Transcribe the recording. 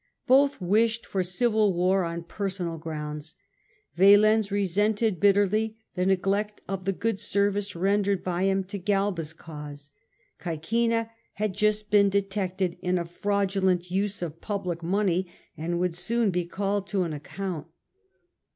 Both wished for civil war on personal grounds. Valens resented bitterly the neglect of the good service rendered by him to Galba^s cause ; Csecina had just been detected in fraudulent use of public money and would soon be called to an account.